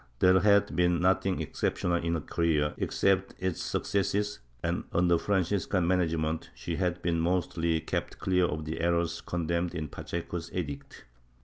There had been nothing exceptional in her career, except its suc cess and, under Franciscan management she had been mostly kept clear of the errors condemned in Pacheco's edict.